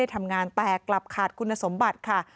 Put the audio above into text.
ทำงานแตกกลับขาดคุณสมบัติค่ะ